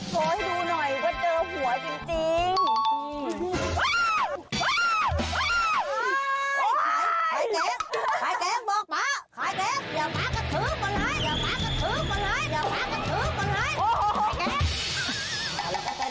ขอให้ดูหน่อยว่าเจอหัวจริง